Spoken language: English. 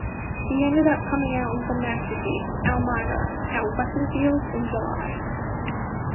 He ended up coming out with a masterpiece, "Almira", at Weissenfels, in July.